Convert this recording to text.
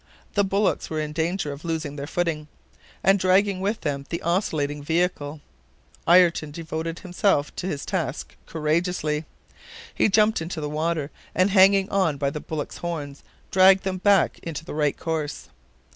The bullocks were in danger of losing their footing, and dragging with them the oscillating vehicle. Ayrton devoted himself to his task courageously. He jumped into the water, and hanging on by the bullocks' horns, dragged them back into the right course.